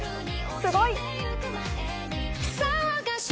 すごい。